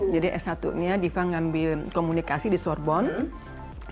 jadi s satu nya diva ngambil komunikasi di sorbonne